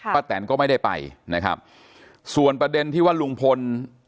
แตนก็ไม่ได้ไปนะครับส่วนประเด็นที่ว่าลุงพล